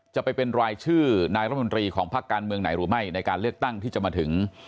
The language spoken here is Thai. จะเป็นรายชื่อนายรัฐมนตรีของพักการเมืองไหนหรือไม่ในการเลือกตั้งที่จะมาถึง